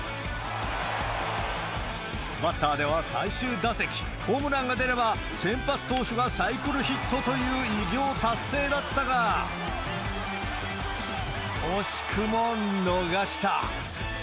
バッターでは最終打席、ホームランが出れば、先発投手がサイクルヒットという偉業達成だったが、惜しくも逃がした。